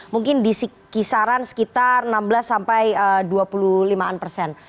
mungkin di kisaran sekitar enam belas sampai dua puluh lima an persen